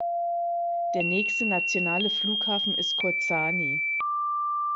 Der nächste nationale Flughafen ist Kozani.